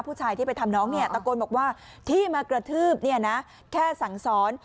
ผู้ชายที่ไปทำน้องเนี่ยตะโกนบอกว่าที่มากระทืบเนี่ยนะแค่สั่งสอน